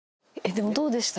でもどうでした？